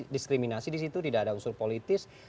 diskriminasi di situ tidak ada unsur politis